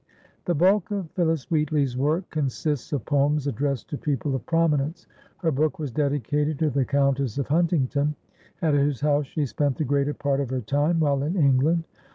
The bulk of Phillis Wheatley's work consists of poems addressed to people of prominence. Her book was dedicated to the Countess of Huntington, at whose house she spent the greater part of her time while in England.